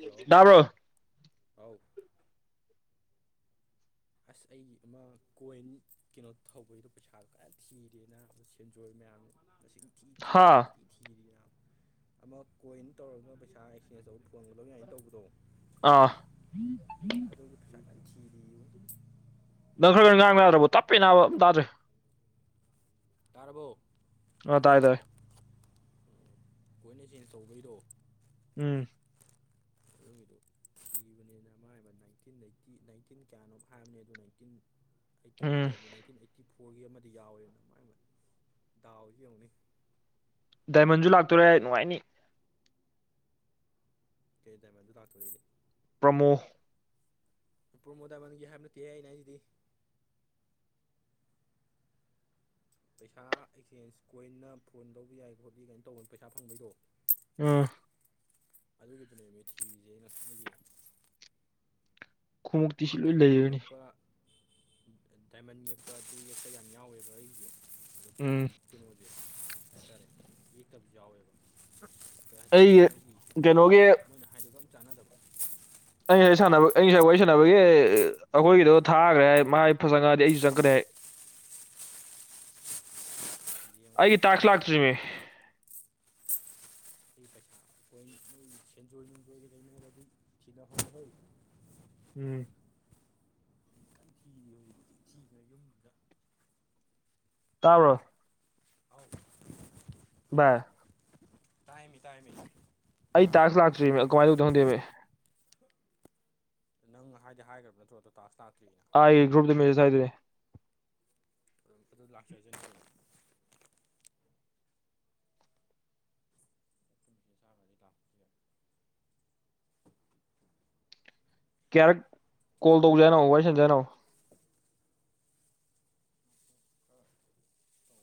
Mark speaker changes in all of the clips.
Speaker 1: hello
Speaker 2: ꯇꯥꯕ꯭ꯔꯣ
Speaker 1: ꯍꯥꯎ ꯑꯁ ꯑꯩꯒꯤ ꯑꯃ ꯀꯣꯏꯟ ꯀꯩꯅꯣ ꯊꯧꯕꯩꯗꯣ ꯄꯩꯁꯥꯗꯣ ꯀꯟ ꯊꯤꯔꯤꯌꯦ ꯅꯥꯕ ꯁꯦꯟꯖꯣꯏ ꯃꯌꯥꯝ ꯃꯁꯤꯡ ꯊꯤꯊꯤ
Speaker 2: ꯍꯥ
Speaker 1: ꯈꯣꯏꯗꯤ ꯊꯤꯔꯤꯅꯥ ꯑꯃ ꯀꯣꯏꯟ ꯇꯧꯔꯒꯅ ꯄꯩꯁꯥ ꯑꯦꯛꯁꯆꯦꯟꯁ ꯇꯧꯕꯩ ꯐꯣꯟꯒ ꯂꯧ ꯌꯥꯏꯅ ꯇꯧꯕꯗꯣ
Speaker 2: ꯑꯥ [inaudible]
Speaker 1: ꯑꯗꯨ ꯆꯀꯟ ꯊꯤꯔꯤꯕꯨ
Speaker 2: ꯅꯪ ꯈꯔ ꯉꯥꯡꯕ ꯌꯥꯗ꯭ꯔꯕꯣ ꯇꯞꯄꯦ ꯅꯥꯕ ꯑꯝ ꯇꯥꯗ꯭ꯔꯦ
Speaker 1: ꯇꯥꯔꯕꯣ
Speaker 2: ꯑ ꯇꯥꯏ ꯇꯥꯏ
Speaker 1: ꯀꯣꯏꯟ ꯑꯦꯛꯁꯆꯦꯟꯁ ꯇꯧꯕꯩꯗꯣ
Speaker 2: ꯎꯝ
Speaker 1: ꯑꯗꯨꯒꯤꯗꯨ ꯏꯕꯅꯦ ꯅꯃꯥꯏꯃꯠ ꯅꯥꯏꯟꯇꯤꯟ ꯅꯥꯏꯟꯇꯤ ꯅꯥꯏꯟꯇꯤꯟ ꯀꯌꯥꯅꯣꯝ ꯍꯥꯏꯕꯅꯦ ꯑꯗꯨ ꯅꯥꯏꯟꯇꯤꯟ ꯑꯩꯠꯇꯤ ꯇꯨ
Speaker 2: ꯎꯝ
Speaker 1: ꯍꯥꯏꯕꯅꯤ ꯅꯥꯏꯟꯇꯤꯟ ꯑꯩꯠꯇꯤ ꯐꯣꯔꯒꯤ ꯑꯃꯗꯤ ꯌꯥꯎꯋꯦ ꯅꯃꯥꯏꯃꯠ ꯗꯥꯎꯖꯦ ꯌꯦꯡꯉꯨꯅꯦ
Speaker 2: ꯗꯥꯏꯃꯟꯖꯨ ꯂꯥꯛꯇꯧꯔꯦ ꯍꯥꯏ ꯅꯨꯡꯉꯥꯏꯅꯤ
Speaker 1: ꯀꯩ ꯗꯥꯏꯃꯟꯖꯨ ꯂꯥꯛꯇꯣꯔꯦꯗꯤ
Speaker 2: ꯄ꯭ꯔꯃꯣ
Speaker 1: ꯄ꯭ꯔꯣꯃꯣ ꯗꯥꯏꯃꯟꯒꯤ ꯍꯥꯏꯕ ꯅꯠꯇꯦꯍꯦ ꯑꯩꯅ ꯍꯥꯏꯖꯤꯗꯤ ꯄꯩꯁꯥ ꯑꯦꯛꯆꯦꯟꯁ ꯀꯣꯏꯟꯅ ꯐꯣꯟ ꯂꯧꯕ ꯌꯥꯏ ꯈꯣꯠꯂꯤ ꯀꯥꯏꯅ ꯇꯧꯕ ꯄꯩꯁꯥ ꯐꯪꯕꯩꯗꯣ
Speaker 2: ꯎꯝ
Speaker 1: ꯑꯗꯨꯒꯤꯗꯨꯅꯦ ꯃꯦꯊꯤꯖꯦ ꯉꯁꯤꯒꯤ
Speaker 2: ꯈꯣꯡꯎꯞꯇꯤ
Speaker 1: ꯍꯣꯏ
Speaker 2: ꯁꯤ ꯂꯣꯏ
Speaker 1: ꯗꯥꯏꯃꯟ
Speaker 2: ꯂꯩꯔꯅꯤ
Speaker 1: ꯌꯦꯛꯄ ꯗꯥꯏꯃꯟ ꯌꯦꯛꯄ ꯑꯗꯨ ꯌꯦꯛꯄ ꯌꯥꯝ ꯌꯥꯎꯋꯦꯕ ꯑꯩꯒꯤꯖꯦ ꯑꯗꯣ
Speaker 2: ꯎꯝ
Speaker 1: ꯀꯩꯅꯣ ꯀꯩꯍꯥꯏꯇꯥꯔꯦ ꯌꯦꯛꯇꯕꯖꯨ ꯌꯥꯎꯋꯦꯕ ꯀꯩ ꯍꯥꯏꯇꯥꯔꯦ
Speaker 2: ꯑꯩꯒꯤ
Speaker 1: ꯃꯣꯏꯒꯤ ꯃꯣꯏꯅ
Speaker 2: ꯀꯩꯅꯣꯒꯤ
Speaker 1: ꯃꯣꯏꯅ ꯍꯥꯏꯗꯨꯒ ꯑꯝ ꯆꯥꯟꯅꯗꯕ
Speaker 2: ꯑꯩ ꯉꯁꯥꯏ ꯁꯥꯟꯅꯕ ꯑꯩ ꯉꯁꯥꯏ ꯋꯥꯔꯤ ꯁꯥꯟꯅꯕꯒꯤ ꯑꯩꯈꯣꯏꯒꯤꯗꯣ ꯊꯥꯒ꯭ꯔꯦ ꯍꯥꯏ ꯃꯥꯥꯏ ꯐꯪ ꯆꯪꯉꯛꯑꯗꯤ ꯑꯩꯁꯨ ꯆꯪꯉꯛꯀꯅꯤ ꯍꯥꯏ
Speaker 1: [inaudible] ꯌꯦꯡꯉꯣ
Speaker 2: ꯑꯩꯒꯤ ꯇꯥꯛꯁ
Speaker 1: ꯈꯪꯗꯦ
Speaker 2: ꯂꯥꯛꯇꯔꯤꯃꯦ
Speaker 1: ꯁꯤ ꯄꯩꯁꯥ ꯀꯣꯏꯟ ꯅꯣꯏ ꯁꯦꯟꯖꯣꯏ ꯅꯨꯡꯖꯣꯏꯒ ꯂꯩꯅꯔꯗꯤ ꯁꯤꯗ ꯑꯣꯟꯍꯧ
Speaker 2: ꯎꯝ
Speaker 1: ꯊꯤ [unintelligible] ꯊꯤꯕ ꯌꯨꯝꯗꯨꯗ
Speaker 2: ꯇꯥꯕ꯭ꯔꯣ
Speaker 1: ꯑꯥꯎ
Speaker 2: ꯕꯥꯏ
Speaker 1: ꯇꯥꯏꯃꯤ ꯇꯥꯏꯃꯤ
Speaker 2: ꯑꯩ ꯇꯥꯛꯁ ꯂꯥꯛꯇ꯭ꯔꯤꯃꯦ ꯀꯃꯥꯏꯅ ꯇꯧꯗꯣꯏ ꯈꯪꯗꯦꯃꯤ
Speaker 1: ꯅꯪ ꯍꯥꯏꯗꯤ ꯍꯥꯏꯒ꯭ꯔꯕ ꯅꯠꯇ꯭ꯔꯣ ꯇꯇꯥꯁ ꯂꯥꯛꯇ꯭ꯔꯤꯅ
Speaker 2: ꯍꯥꯏ ꯒ꯭ꯔꯨꯞꯇ ꯃꯦꯁꯦꯁ ꯊꯥꯏꯗꯨꯗꯤ
Speaker 1: ꯑꯗꯨꯝ ꯑꯗꯨ ꯂꯥꯛꯆꯔꯖꯅꯤ ꯀꯩꯅꯣ [unintelligible]
Speaker 2: ꯀꯌꯥꯔꯛ ꯀꯣꯜ ꯇꯧꯖꯦ ꯍꯥꯏꯅꯣ ꯋꯥꯔꯤ ꯁꯟꯖꯦ ꯍꯥꯏꯅꯣ
Speaker 1: ꯈꯔ ꯇꯧ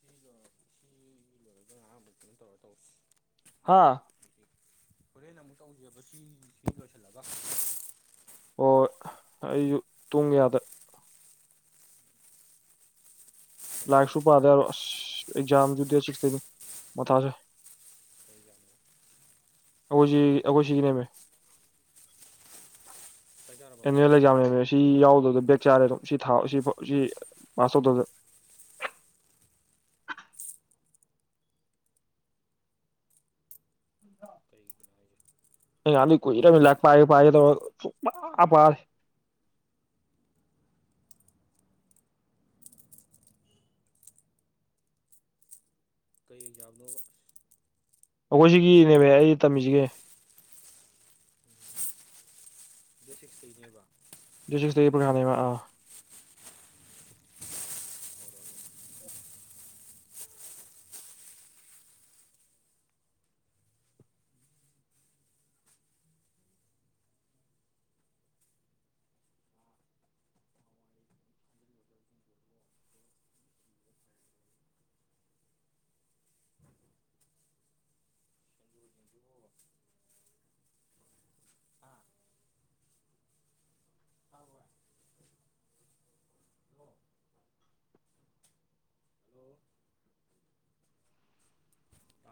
Speaker 1: ꯁꯤ ꯑꯗꯨꯝ ꯇꯧꯔ ꯇꯧꯁꯤ [unintelligible]
Speaker 2: ꯍꯥ
Speaker 1: ꯍꯧꯖꯤ ꯍꯣꯔꯦꯟ ꯑꯃꯨꯛ ꯇꯧꯖꯦꯕ ꯁꯤ ꯁꯤ ꯂꯣꯏꯁꯜꯂꯒ
Speaker 2: ꯑꯣ ꯑꯩꯖꯨ ꯇꯨꯡꯌꯥꯗ
Speaker 1: ꯆꯥꯛ
Speaker 2: ꯂꯥꯏꯔꯤꯛꯁꯨ
Speaker 1: ꯆꯥꯔꯕꯣ
Speaker 2: ꯄꯥꯗ ꯑꯁ ꯑꯦꯛꯖꯥꯝꯖꯨ ꯗꯦꯠ ꯁꯤꯛꯁꯇꯩꯅꯤ ꯃꯊꯥꯖꯦ
Speaker 1: ꯀꯩ ꯑꯦꯛꯖꯥꯝꯅꯣ
Speaker 2: ꯑꯩꯈꯣꯏ ꯁꯤ ꯑꯩꯈꯣꯏ ꯁꯤꯒꯤꯅꯦꯃꯦ
Speaker 1: ꯆꯥꯛ ꯆꯥꯔꯕꯣ
Speaker 2: ꯑꯦꯅꯨꯋꯦꯜ ꯑꯦꯛꯖꯥꯝ ꯅꯦꯃꯦ ꯁꯤ ꯌꯥꯎꯗꯕꯗ ꯕꯦꯛ ꯆꯥꯔꯦ ꯑꯗꯨꯝ ꯁꯤ ꯁꯤ ꯁꯤ ꯄꯥꯁ ꯇꯧꯗꯕꯗ
Speaker 1: ꯀꯩꯒꯤꯅꯣ ꯍꯥꯏꯁꯦ
Speaker 2: ꯑꯩ ꯉꯍꯥꯟꯗꯩ ꯀꯨꯏꯔꯝꯃꯤ ꯂꯥꯏꯔꯤꯛ ꯄꯥꯒꯦ ꯄꯥꯒꯦ ꯇꯧꯔꯒꯥ ꯁꯨꯛꯄꯥ ꯄꯥꯗꯦ
Speaker 1: ꯀꯩ ꯑꯦꯛꯖꯥꯝꯅꯣꯕ
Speaker 2: ꯑꯩꯈꯣꯏ ꯁꯤꯒꯤꯅꯦꯃꯦ ꯑꯩꯅ ꯇꯝꯃꯤꯖꯤꯒꯤ
Speaker 1: ꯗꯦꯠ ꯁꯤꯛꯁ ꯇꯩꯅꯦꯕ
Speaker 2: ꯗꯦꯠ ꯁꯤꯛꯁꯇꯩ [unintelligible] ꯅꯦꯕ ꯑ
Speaker 1: ꯍꯜꯂꯣ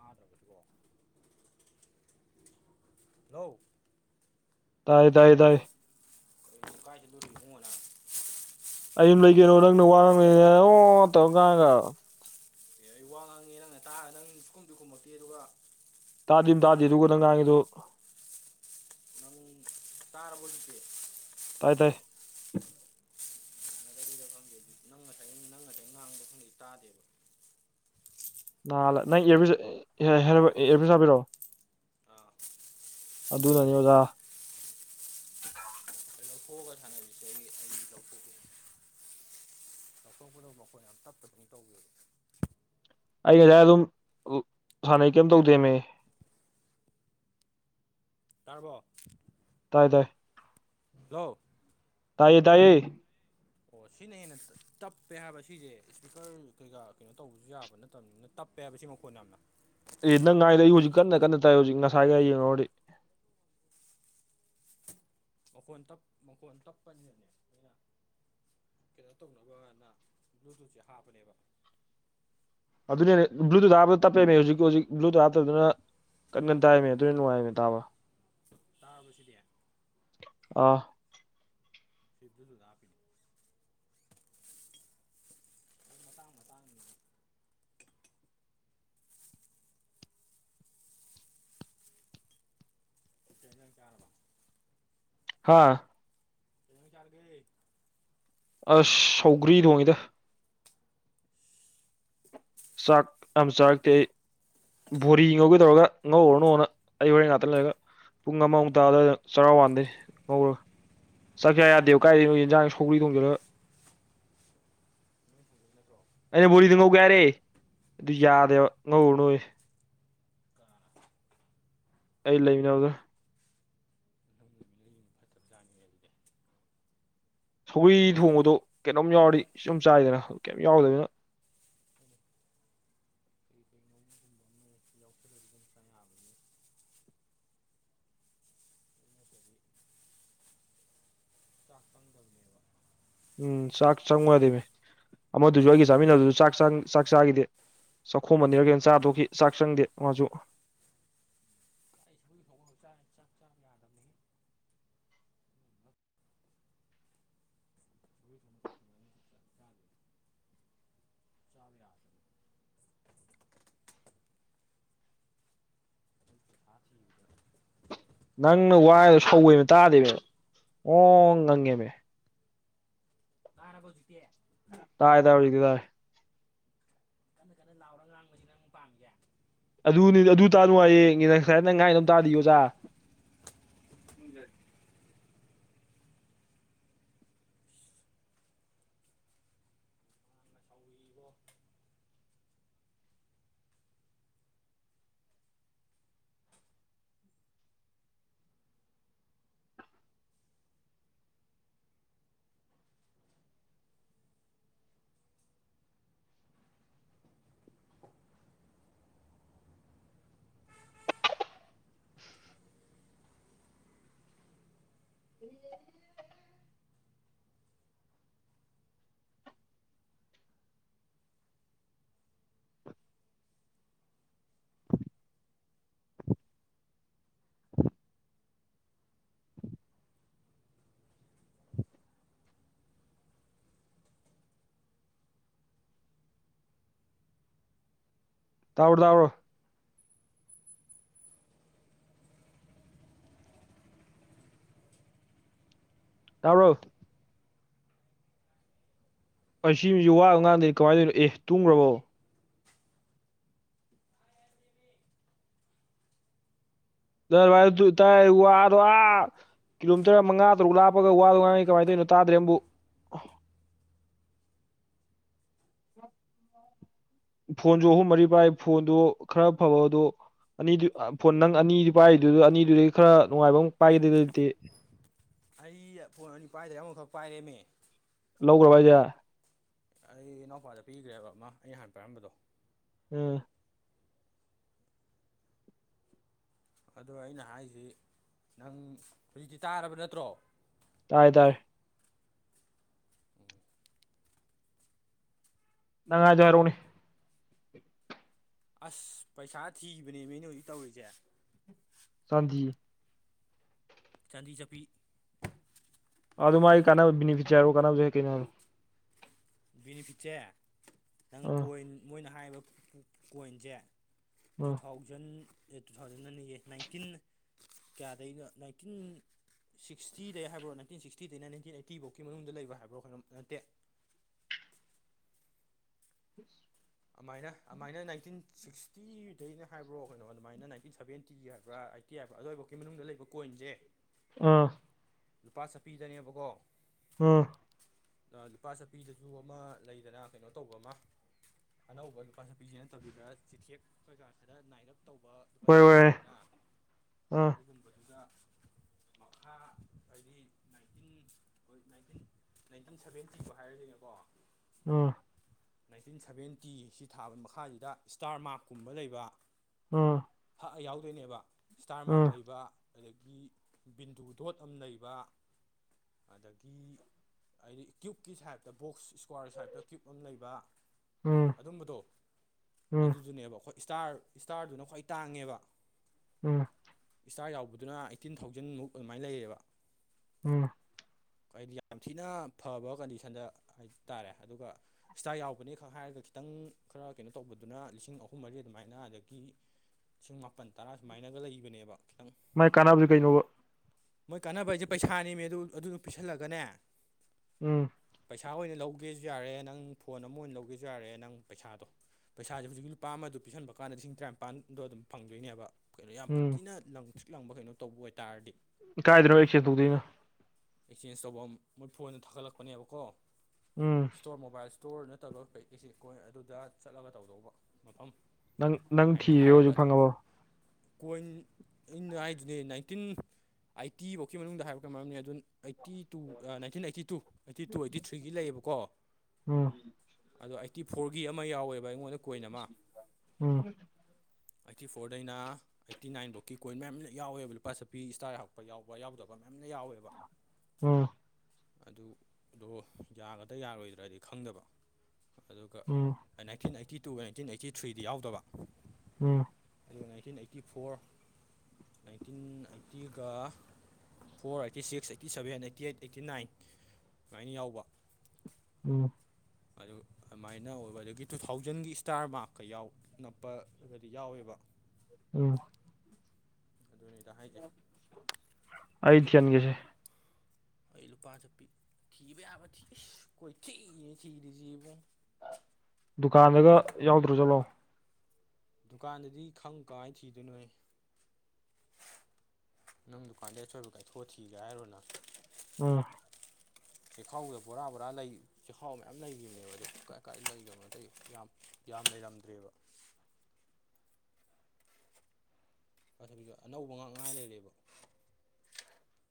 Speaker 1: ꯊꯥꯗ꯭ꯔꯕꯁꯤꯕꫭ ꯂꫭ
Speaker 2: ꯇꯥꯏ ꯇꯥꯏ ꯇꯥꯏ
Speaker 1: ꯀꯥꯏ ꯆꯠꯂꯨꯔꯦ ꯏꯕꯨꯡꯉꫭ ꯅꯪ
Speaker 2: ꯑꯩ ꯌꯨꯝ ꯂꯩ ꯀꯩꯅꯣ ꯅꯪꯅ ꯋꯥꯉꯥꯡꯏꯅꯦꯅ ꯑꯣ ꯇꯧꯔ ꯉꯥꯡꯉꯒ
Speaker 1: ꯑꯦ ꯑꯩ ꯋꯥ ꯉꯥꯡꯉꯦ ꯅꯪꯅ ꯇꯥꯔꯒ ꯅꯪ ꯁꯨꯈꯨꯝꯖꯨ ꯈꯨꯝꯃꯛꯇꯦ ꯑꯗꯨꯒ
Speaker 2: ꯇꯥꯗꯤꯝ ꯑꯃ ꯇꯥꯗꯦ ꯑꯗꯨꯒ ꯅꯪ ꯉꯥꯡꯉꯤꯗꯣ
Speaker 1: ꯅꯪ ꯇꯔꯕꫭ ꯍꯧꯖꯤꯛꯇꯤ
Speaker 2: ꯇꯥꯏ ꯇꯥꯏ
Speaker 1: [unintelligible] ꯑꯗꯨꯗꯤ ꯅꯪ ꯉꯁꯥꯏ ꯅꯪ ꯉꯁꯥꯏ ꯉꯥꯡꯕ ꯈꯪꯗꯦ ꯇꯥꯗꯦꯕ
Speaker 2: ꯅꯍꯜꯂ ꯅꯪ ꯑꯦꯔꯕꯤꯁ ꯑꯦꫪꯕꯤꯁ ꯍꯥꯞꯄꯤꯔꫭ
Speaker 1: ꯑꯥ
Speaker 2: ꯑꯗꯨꯅꯅꯤ ꯑꯣꯖꯥ
Speaker 1: ꯂꯧꯊꯣꯛꯑꯒ ꯁꯥꯟꯅꯖꯤꯁꯦ ꯑꯩ ꯑꯩ ꯂꯧꯊꯣꯛꯀꯦ ꯂꯧꯊꯣꯛꯄꯗꯣ ꯃꯈꯣꯟ ꯌꯥꯝ ꯇꯞꯄꯗꯧ ꯇꯧꯋꯦꯕ
Speaker 2: ꯑꯩ ꯉꯁꯥꯏ ꯑꯗꯨꯝ ꯁꯥꯟꯅꯩ ꯀꯩꯝ ꯇꯧꯗꯦꯝꯃꯤ
Speaker 1: ꯇꯥꯔꯕꯣ
Speaker 2: ꯇꯥꯏ ꯇꯥꯏ
Speaker 1: ꯂꫭ
Speaker 2: ꯇꯥꯏꯌꯦ ꯇꯥꯏꯌꯦ
Speaker 1: ꯑꯣ ꯁꯤꯅ ꯍꯦꯟꯅ ꯇꯞꯄꯦ ꯍꯥꯏꯕ ꯁꯤꯖꯦ ꯏꯁꯄꯤꯀꯔ ꯀꯩꯀꯥ ꯀꯩꯅꯣ ꯇꯧꯕꯁꯨ ꯌꯥꯕ ꯅꯠꯇꯕꯅꯤꯅ ꯇꯞꯄꯦ ꯍꯥꯏꯕꯁꯤ ꯃꯈꯣꯟ ꯌꯥꯝꯅ
Speaker 2: ꯑꯦ ꯅꯪ ꯉꯥꯡꯏꯗꯣ ꯑꯩ ꯍꯧꯖꯤꯛ ꯀꯟꯅ ꯀꯟꯅ ꯇꯥꯏ ꯍꯧꯖꯤꯛ ꯉꯁꯥꯏꯒ ꯌꯦꯡꯉꯨꯔꯗꯤ
Speaker 1: ꯃꯈꯣꯟ ꯇꯞ ꯃꯈꯣꯟ ꯇꯞꯄꯅꯤꯅꯅꯦ ꯑꯩꯅ ꯀꯩꯅꯣ ꯇꯧꯅꯕꯅ ꯕ꯭ꯂꯨꯇꯨꯠꯁꯦ ꯍꯥꯞꯄꯅꯦꯕ
Speaker 2: ꯑꯗꯨꯅꯦ ꯕ꯭ꯂꯨꯇꯨꯠ ꯍꯥꯞꯄꯗ ꯇꯞꯄꯕꯃꯦ ꯍꯧꯖꯤꯛ ꯍꯧꯖꯤꯛ ꯕ꯭ꯂꯨꯇꯨꯠ ꯍꯥꯞꯇꯕꯗꯨꯅ ꯀꯟ ꯀꯟ ꯇꯥꯏꯃꯦ ꯑꯗꯨꯅ ꯅꯨꯡꯉꯥꯏꯃꯦ ꯇꯥꯕ
Speaker 1: ꯇꯥꯔꯕꫭ ꯁꯤꯗꯤ
Speaker 2: ꯑꯥ
Speaker 1: ꯊꯤꯗꯨꯗꯨꯗ ꯍꯥꯞꯄꯤꯅꯤ [unintelligible] ꯃꯇꯥꯡ ꯃꯇꯥꯡꯅꯤ ꯀꯩ ꯀꯩ ꯏꯟꯖꯥꯡ ꯆꯥꯔꯕ
Speaker 2: ꯍꯥꯥ
Speaker 1: ꯀꯩ ꯖꯥꯡ ꯆꯥꯔꯒꯦ
Speaker 2: ꯑꯁ ꯁꯧꯒ꯭ꯔꯤ ꯊꫭꯡꯉꯤꯗ ꯆꯥꯛ ꯌꯥꯝ ꯆꯔꯛꯇꯦ ꯑꯩ ꯕꯣꯔꯤ ꯉꯧꯒꯦ ꯇꯧꯔꯒ ꯉꯧꯔꯨꯔꯅꯣꯅ ꯑꯩ ꯍꯣꯔꯦꯟ ꯉꯥꯛꯇ ꯂꯩꯔꯒ ꯄꯨꯡ ꯑꯃꯃꯨꯛ ꯇꯥꯕ ꯑꯗꯨꯋꯥꯏꯗ ꯆꯔꯥ ꯋꯥꯟꯅꯤ ꯉꯧꯔꯒ ꯆꯥꯛꯆꯥ ꯌꯥꯗꯦꯕ ꯀꯥꯏꯗꯩꯅꯣ ꯌꯦꯟꯖꯥꯡ ꯁꯧꯒꯔꯤ ꯊꯣꯡꯖꯜꯂꯒ
Speaker 1: ꯅꯪꯅ ꯊꫭꯡꯖꯩ ꯅꯠꯇ꯭ꯔꯣ
Speaker 2: ꯑꯩꯅ ꯕꯣꯔꯤꯗꫭ ꯉꯧꯒꯦ ꯍꯥꯏꯔꯦ ꯑꯗꯨ ꯌꯥꯗꯦꯕ ꯉꯧꯔꯨꯔꯅꫭꯌꯦ
Speaker 1: ꯀꯅ ꯅ [unintelligible]
Speaker 2: ꯑꯩ ꯂꯩꯃꯤꯟꯅꯕꯗꯣ
Speaker 1: ꯅꯪꯕꯨ ꯅꯨꯃꯤꯠꯂꯩ ꯌꯦꯡ ꯐꯠ ꯇꯖꯅꯤꯡꯅꯦ ꯑꯗꯨꯗꯤ
Speaker 2: ꯁꯧꯒ꯭ꯔꯤ ꯊꯣꯡꯕꯗꯣ ꯀꯩꯅꯣꯝ ꯌꯥꯎꯔꯗꯤ ꯁꯨꯝ ꯆꯥꯏꯗꯅ ꯀꯩꯝ ꯌꯥꯎꯗꯕꯅꯤꯅ
Speaker 1: [inaudible] [unintelligible] ꯌꯥꯝꯕꯅꯤꯅ [unintelligible] [unintelligible] ꯆꯥꯛ ꯆꯪꯗꯕꯅꯦꯕ
Speaker 2: ꯎꯝ ꯆꯥꯛ ꯆꯪꯉꯨ ꯌꯥꯗꯦꯃꯤ ꯑꯃꯗꯨꯁꯨ ꯑꯩꯒꯥ ꯆꯥꯃꯤꯟꯅꯕꯗꯨꯁꯨ ꯆꯥꯛ ꯆꯪ ꯆꯥꯛ ꯆꯥꯒꯤꯗꯦ ꯆꯥꯛꯈꯣꯝ ꯑꯅꯤꯔ ꯒꯩꯅꯣ ꯆꯥꯔ ꯗꯣꯛꯈꯤ ꯆꯥꯛ ꯆꯪꯗꯦ ꯃꯥꯁꯨ
Speaker 1: [unintelligible] ꯆꯥꯛ ꯆꯥ ꯌꯥꯗꯕꯅꯦꯍꯦ [unintelligible] ꯆꯥꯛ ꯆꯥꯗꯣꯏꯅꯣ [unintelligible] [unintelligible]
Speaker 2: ꯅꯪꯅ ꯋꯥꯏꯗꯣ ꯁꯧꯋꯦꯕ ꯇꯥꯗꯦꯕ ꯑꯣ ꯉꯪꯉꯦꯃꯦ
Speaker 1: ꯇꯥꯔꯕꯣ ꯍꯧꯖꯤꯛꯇꯤ
Speaker 2: ꯇꯥꯥꯔꯦ ꯇꯥꯔꯦ ꯍꯨꯖꯤꯛꯇꯤ ꯇꯥꯔꯦ
Speaker 1: ꯀꯟꯅ ꯀꯟꯅ ꯂꯥꯎꯔ ꯉꯥꯡꯕꯁꯤ ꯅꯪ ꯄꯥꯝꯃꯤꯁꯦ
Speaker 2: ꯑꯗꯨꯅꯤ ꯑꯗꯨ ꯇꯥ ꯅꯨꯉꯥꯏꯌꯦ [unintelligible] ꯅꯪ ꯉꯥꯡꯉꯤꯗꯥ ꯇꯥꯗꯤꯌꯦ ꯑꯣꯖꯥ
Speaker 1: ꯅꯪꯅ [unintelligible]
Speaker 2: ꯇꯕꯔꯣ ꯇꯕꯔꯣ
Speaker 1: [unintelligible]
Speaker 2: ꯇꯕ꯭ꯔꯦ ꯀꯩ ꯁꯤ ꯃꯤꯁꯤ ꯋꯥꯒ ꯑꯝ ꯉꯥꯡꯗꯦ ꯀꯃꯥꯏꯅ ꯇꯧꯅꯣ ꯑꯦ ꯇꯨꯝꯒ꯭ꯔꯕꯣ ꯅꯪ ꯑꯗꯨꯍꯥꯏ ꯇꯥꯏ ꯋꯥꯗꯣ ꯑꯥ ꯀꯤꯂꯣꯃꯤꯇꯔ ꯃꯉꯥ ꯇꯔꯨꯛ ꯂꯥꯞꯄꯒ ꯋꯥꯗꯥ ꯉꯥꯡꯅꯤ ꯀꯃꯥꯏꯟ ꯇꯩꯅꯣ ꯇꯥꯗ꯭ꯔꯦ ꯑꯃꯕꯨꯛ ꯐꯣꯟꯖꯨ ꯑꯍꯨꯝ ꯃꯔꯤ ꯄꯥꯏ ꯐꯣꯟꯗꯨ ꯈꯔ ꯐꯕꯗꯣ ꯑꯅꯤꯗꯨ ꯐꯣꯟ ꯅꯪ ꯑꯅꯤꯗꯨ ꯄꯥꯏꯔꯤꯗꯨꯗ ꯑꯅꯤꯗꯨꯗꯒꯤ ꯈꯔ ꯅꯨꯡꯉꯥꯏꯕ ꯑꯃ ꯄꯥꯏꯒꯦꯗꯤ ꯂꯩꯇꯦ
Speaker 1: ꯑꯩ ꯐꯣꯟ ꯑꯅꯤ ꯄꯥꯏꯗ꯭ꯔꯦ ꯑꯃꯈꯛ ꯄꯥꯏꯔꯦꯃꯤ
Speaker 2: ꯂꯧꯒ꯭ꯔꯕ ꯍꯥꯏꯖꯦ
Speaker 1: ꯑꯩ ꯏꯅꯥꯎꯄꯥꯗ ꯄꯤꯒ꯭ꯔꯦꯕ ꯑꯃ ꯑꯩꯩꯅ ꯍꯥꯟ ꯄꯥꯏꯔꯝꯕꯗꯣ
Speaker 2: ꯑꯥ
Speaker 1: ꯑꯗꯣ ꯑꯩꯅ ꯍꯥꯏꯖꯤ ꯅꯪ ꯍꯧꯖꯤꯛꯇꯤ ꯇꯥꯔꯕ ꯅꯠꯇ꯭ꯔꯣ
Speaker 2: ꯇꯥꯔꯦ ꯇꯥꯔꯦ
Speaker 1: ꯎꯝ
Speaker 2: ꯅꯪ ꯍꯥꯏꯗꯣ ꯍꯥꯏꯔꯛꯑꯣꯅꯦ
Speaker 1: ꯑꯁ ꯄꯩꯁꯥ ꯊꯤꯕꯅꯦꯃꯦ ꯑꯩꯅ ꯍꯧꯖꯤꯛ ꯇꯧꯔꯤꯖꯦ
Speaker 2: ꯆꯥꯟꯗꯤ
Speaker 1: ꯆꯥꯟꯗꯤ ꯆꯄꯤ
Speaker 2: ꯑꯗꯨ ꯃꯒꯤ ꯀꯥꯟꯅꯕ ꯕꯤꯅꯤꯐꯤꯠ ꯍꯥꯏꯔꯣ ꯀꯥꯟꯅꯕꯁꯨ ꯀꯩꯅꯣ
Speaker 1: ꯕꯤꯅꯤꯐꯤꯠꯁꯦ ꯅꯪ
Speaker 2: ꯑꯥ
Speaker 1: ꯀꯣꯏꯟ ꯃꯣꯏꯅ ꯍꯥꯏꯔꯤꯕ ꯀꯣꯏꯟꯁꯦ ꯇꯨ
Speaker 2: ꯑꯥ
Speaker 1: ꯊꯥꯎꯖꯟ ꯑꯦ ꯇꯨ ꯊꯥꯎꯖꯟ ꯑꯅꯤ ꯑꯦ ꯅꯥꯏꯟꯇꯤꯟ ꯀꯌꯥꯗꯩꯅꯣ ꯅꯥꯏꯟꯇꯤꯟ ꯁꯤꯛꯁꯇꯤꯗꯩ ꯍꯥꯏꯕ꯭ꯔꯣ ꯅꯥꯏꯟꯇꯤꯟ ꯁꯤꯛꯁꯇꯤꯗꯩ ꯅꯥꯏꯟꯇꯤꯟ ꯑꯩꯥꯏꯠꯇꯤ ꯕꯨꯛꯒꯤ ꯃꯅꯨꯡꯗ ꯂꯩꯕ ꯍꯥꯏꯕ꯭꯭ꯔꯣ ꯅꯠꯇꯦ ꯑꯃꯥꯏꯅ ꯑꯃꯥꯏꯅ ꯅꯥꯏꯟꯇꯤꯟ ꯁꯤꯛꯁꯇꯤꯗꯩꯅꯤ ꯍꯥꯏꯕ꯭ꯔꯣ ꯀꯩꯅꯣ ꯑꯗꯨꯃꯥꯏꯅ ꯅꯥꯏꯟꯇꯤꯟ ꯁꯕꯦꯟꯇꯤ ꯍꯥꯏꯕ꯭ꯔꯥ ꯀꯤ ꯍꯥꯏꯕ ꯑꯗꯨꯏꯕꯥꯎꯀꯤ ꯃꯅꯨꯡꯗ ꯂꯩꯕ ꯀꯣꯏꯟꯖꯦ
Speaker 2: ꯑꯣ
Speaker 1: ꯂꯨꯄꯥ ꯆꯠꯄꯤꯗꯅꯦꯕꯀꯣ
Speaker 2: ꯎꯝ
Speaker 1: ꯑꯥ ꯂꯨꯄꯥ ꯆꯄꯤꯗꯁꯨ ꯑꯃ ꯂꯩꯗꯅ ꯀꯩꯅꯣ ꯇꯧꯕ ꯑꯃ ꯑꯅꯧꯕ ꯂꯨꯄꯥ ꯆꯄꯤꯖꯦ ꯅꯠꯇꯕꯤꯗ ꯆꯤꯊꯦꯛ ꯀꯩꯀꯥ ꯈꯔ ꯅꯥꯏꯔꯞ ꯇꯧꯕ ꯂꯨꯄꯥ
Speaker 2: ꯍꯣꯏ ꯍꯣꯏ
Speaker 1: ꯆꯞꯄꯤꯃꯥ
Speaker 2: ꯑꯥ
Speaker 1: ꯂꯩꯗꯅ
Speaker 2: ꯑꯥ
Speaker 1: ꯑꯗꯨꯒꯨꯝꯕꯗꯨꯒ ꯃꯈꯥ ꯍꯥꯏꯗꯤ ꯅꯥꯏꯇꯤꯟ ꯍꯣꯏ ꯅꯥꯏꯟꯇꯤꯟ ꯅꯥꯏꯟꯇꯤꯟ ꯁꯕꯦꯟꯇꯤꯕꯨ ꯍꯥꯏꯔꯁꯤꯅꯦꯀꯣ
Speaker 2: ꯎꯝ
Speaker 1: ꯅꯥꯏꯟꯇꯤꯟ ꯁꯕꯦꯟꯇꯤ ꯑꯁꯤ ꯊꯥꯕ ꯃꯈꯥꯁꯤꯗ ꯏꯁꯇꯥꯔ ꯃꯥꯔꯛꯀꯨꯝꯕ ꯂꯩꯕ
Speaker 2: ꯎꯝ
Speaker 1: ꯐꯛꯑ ꯌꯥꯎꯗꯣꯏꯅꯦꯕ ꯏꯁꯇꯥꯔ ꯃ꯭ꯔꯥꯛ ꯂꯩꯕ ꯑꯗꯒꯤ ꯕꯤꯟꯙ ꯗꯣꯠ ꯑꯃ ꯂꯩꯕ ꯑꯗꯒꯤ ꯍꯥꯏꯗꯤ ꯀ꯭ꯌꯨꯕꯀꯤ ꯁꯥꯏꯞꯇ ꯕꯣꯛꯁ ꯏꯁꯀ꯭ꯋꯥꯔ ꯁꯥꯏꯞꯇ ꯀ꯭ꯌꯕ ꯑꯃ ꯂꯩꯕ
Speaker 2: ꯎꯝ
Speaker 1: ꯑꯗꯨꯝꯕꯗꯣ
Speaker 2: ꯎꯝ
Speaker 1: ꯑꯗꯨꯗꯨꯅꯦꯕ ꯑꯩꯈꯣꯏ ꯏꯁꯇꯥꯔ ꯏꯁꯇꯥꯔꯗꯨꯅ ꯈ꯭ꯋꯥꯏ ꯇꯥꯡꯉꯦꯕ
Speaker 2: ꯎꯝ
Speaker 1: ꯏꯁꯇꯥꯔ ꯌꯥꯎꯕꯗꯨꯅ ꯑꯩꯠꯇꯤꯟ ꯊꯥꯎꯖꯟꯃꯨꯛ ꯑꯗꯨꯃꯥꯏꯅ ꯂꯩꯌꯦꯕ
Speaker 2: ꯎꯝ
Speaker 1: ꯍꯥꯏꯗꯤ ꯌꯥꯝ ꯊꯤꯅ ꯐꯕ ꯀꯟꯗꯤꯁꯟꯗ ꯍꯥꯏ ꯇꯥꯔꯦ ꯑꯗꯨꯒ ꯁꯤꯇꯥ ꯌꯥꯎꯕꯅꯦ ꯈ ꯍꯥꯏꯔꯒ ꯈꯤꯇꯪ ꯈꯔ ꯀꯩꯅꯣ ꯇꯧꯕꯗꯨꯅ ꯂꯤꯁꯤꯡ ꯑꯍꯨꯝ ꯃꯔꯤ ꯑꯗꯨꯃꯥꯏꯅ ꯑꯗꯒꯤ ꯂꯤꯁꯤꯡ ꯃꯥꯄꯟ ꯇꯔꯥ ꯁꯨꯃꯥꯏꯅꯒ ꯂꯩꯕꯅꯦꯕ ꯈꯤꯇꯪ
Speaker 2: ꯃꯥꯏ ꯀꯥꯟꯅꯕꯁꯤ ꯀꯩꯅꯣꯕ
Speaker 1: ꯃꯣꯏ ꯀꯥꯟꯅꯕ ꯍꯥꯏꯁꯦ ꯄꯩꯁꯥꯅꯤꯃꯦ ꯑꯗꯨ ꯑꯗꯨꯗꯨ ꯄꯤꯁꯜꯂꯒꯅꯦ
Speaker 2: ꯎꯝ
Speaker 1: ꯄꯩꯁꯥ ꯑꯣꯏꯅ ꯂꯧꯒꯦꯁꯨ ꯌꯥꯔꯦ ꯅꯪ ꯐꯣꯟ ꯑꯃ ꯑꯣꯏꯅ ꯂꯧꯒꯦꯁꯨ ꯌꯥꯔꯦ ꯅꯪ ꯄꯩꯁꯥꯗꯣ ꯄꯩꯁꯥꯁꯦ ꯍꯧꯖꯤꯛꯀꯤ ꯂꯨꯄꯥ ꯑꯃꯗꯨ ꯄꯤꯁꯟꯕ ꯀꯥꯟꯗ ꯂꯤꯁꯤꯡ ꯇꯔꯥꯅꯤꯄꯥꯟꯗꯣ ꯑꯗꯨꯝ ꯐꯪꯗꯣꯏꯅꯦꯕ ꯀꯩꯅꯣ ꯌꯥꯝ
Speaker 2: ꯎꯝ
Speaker 1: ꯊꯤꯅ ꯂꯪꯇ꯭ꯔꯤꯛ ꯂꯪꯕ ꯀꯩꯅꯣ ꯇꯧꯕ ꯑꯣꯏꯇꯥꯔꯗꯤ
Speaker 2: ꯀꯥꯏꯗ꯭ꯔꯣ ꯑꯦꯛꯁꯦꯟ ꯇꯧꯗꯣꯏꯗꯣ
Speaker 1: ꯑꯦꯛꯆꯦꯟꯖ ꯇꯧꯕ ꯃꯣꯏ ꯐꯣꯟꯗ ꯊꯥꯒꯠꯂꯛꯄꯅꯦꯕꯀꯣ
Speaker 2: ꯎꯝ
Speaker 1: ꯏꯁꯇꯣꯔ ꯃꯣꯕꯥꯏꯜ ꯏꯁꯇꯣꯔ ꯅꯠꯇꯕ ꯄ ꯑꯦꯁꯦ ꯀꯣꯏ ꯑꯗꯨꯗ ꯆꯠꯂꯒ ꯇꯧꯗꯧꯕ ꯃꯐꯝ
Speaker 2: ꯅꯪ ꯅꯪ
Speaker 1: [unintelligible] ꯍꯥꯏꯅ
Speaker 2: ꯊꯤꯔꯤꯔꯣ
Speaker 1: ꯍꯥꯏꯔꯒ
Speaker 2: ꯍꯧꯖꯤꯛ ꯐꯪꯉꯕꯣ
Speaker 1: ꯀꯣꯏꯟ ꯑꯩꯅ ꯍꯥꯏꯗꯨꯅꯦ ꯅꯥꯏꯟꯇꯤꯟ ꯑꯩꯥꯏꯠꯇꯤꯐꯧꯒꯤ ꯃꯅꯨꯡꯗ ꯍꯥꯏꯕꯒ ꯃꯔꯝꯅꯤ ꯑꯗꯨꯅ eighty two nineteen eighty two eighty two eighty ꯊ꯭ꯔꯤꯒꯤ ꯂꯩꯌꯦꯕꯀꯣ
Speaker 2: ꯎꯝ
Speaker 1: ꯑꯗꯣ ꯑꯩꯠꯇꯤ ꯐꯣꯔꯒꯤ ꯑꯃ ꯌꯥꯎꯋꯦꯕ ꯑꯩꯉꯣꯟꯗ ꯀꯣꯏꯟ ꯑꯃ
Speaker 2: ꯎꯝ
Speaker 1: ꯑꯩꯠꯇꯤ ꯐꯣꯔꯗꯩꯅ ꯑꯩꯠꯇꯤ ꯅꯥꯏꯟꯐꯕꯨꯛꯀꯤ ꯀꯣꯏꯟ ꯃꯌꯥꯝ ꯑꯃ ꯌꯥꯎꯋꯦꯕ ꯂꯨꯄꯥ ꯆꯄꯤ ꯏꯁꯇꯥꯔ ꯍꯛꯄ ꯌꯥꯎꯕ ꯌꯥꯎꯗꯕ ꯃꯌꯥꯝ ꯑꯃ ꯌꯥꯎꯋꯦꯕ
Speaker 2: ꯑꯪ
Speaker 1: ꯑꯗꯨ ꯗꯣ ꯌꯥꯒꯗ ꯌꯥꯔꯣꯏꯗ꯭ꯔꯥꯗꯤ ꯈꯪꯗꯕ ꯑꯗꯨꯒ
Speaker 2: ꯎꯝ
Speaker 1: nineteen eighty two nineteen eighty ꯊ꯭ꯔꯤꯗꯤ ꯌꯥꯎꯗꯕ
Speaker 2: ꯎꯝ
Speaker 1: ꯑꯗꯨꯒ ꯅꯥꯏꯟꯇꯤꯟ ꯑꯩꯠꯇꯤ ꯐꯣꯔ ꯅꯥꯏꯟꯇꯤꯟ ꯑꯩꯠꯇꯤꯒ four eighty six eighty seven eighty eight eighty nine ꯁꯨꯃꯥꯏꯅ ꯌꯥꯎꯕ
Speaker 2: ꯎꯝ
Speaker 1: [unintelligible] ꯑꯗꯨꯃꯥꯏꯅ ꯑꯣꯏꯕ ꯑꯗꯒꯤ ꯇꯨ ꯊꯥꯎꯖꯟꯒꯤ ꯏꯁꯇꯥꯔ ꯃꯥꯔꯛꯀ ꯌꯥꯎ ꯅꯞꯄꯒꯗꯤ ꯌꯥꯎꯋꯦꯕ
Speaker 2: ꯎꯝ
Speaker 1: ꯑꯗꯨꯅꯦꯗ ꯍꯥꯏꯒꯦ
Speaker 2: [unintelligible] ꯆꯟꯒꯦꯁꯦ
Speaker 1: ꯑꯩ ꯂꯨꯄꯥꯁꯨꯄꯤ ꯊꯤꯕ ꯌꯥꯕ ꯊꯤꯁ ꯀꯣꯏ ꯊꯤꯌꯦꯦ ꯊꯤꯔꯤꯁꯤ ꯏꯕꯨꯡ
Speaker 2: ꯗꯨꯀꯥꯟꯗꯒ ꯌꯥꯎꯗ꯭ꯔꯣ ꯆꯠꯂꯥꯛꯑꯣ
Speaker 1: ꯗꯨꯀꯥꯟꯗꯗꯤ ꯈꯪ ꯀꯃꯥꯏꯅ ꯊꯤꯗꯣꯏꯅꯣ ꯅꯪ ꯗꯨꯀꯥꯟꯗꯩ ꯑꯆꯣꯏꯕ ꯀꯥꯏꯊꯣꯛꯑ ꯊꯤꯒꯦ ꯍꯥꯏꯔꯣ ꯅꯪ
Speaker 2: ꯎꯝ
Speaker 1: ꯆꯦꯛꯈꯥꯎꯗ ꯕꯣꯔꯥ ꯕꯣꯔꯥ ꯂꯩ ꯆꯍꯥꯎ ꯃꯌꯥꯝ ꯂꯩꯈꯤꯕꯅꯦꯕ ꯑꯗ ꯀꯀꯥꯏ ꯑꯀꯥꯏ ꯂꯩꯈꯤꯕ ꯅꯠꯇ ꯌꯥꯝ ꯌꯥꯝ ꯂꯩꯔꯝꯗ꯭ꯔꯦꯕ ꯐꯥꯊꯕꯤꯗꯣ ꯑꯅꯧꯕ ꯉꯥꯛ ꯉꯥꯏ ꯂꯩꯔꯦꯕ